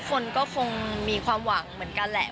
คนก็คงมีความหวังเหมือนกันแหละ